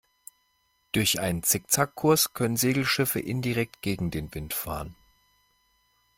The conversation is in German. Durch einen Zickzack-Kurs können Segelschiffe indirekt gegen den Wind fahren.